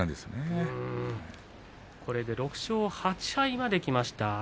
これで６勝８敗まできました。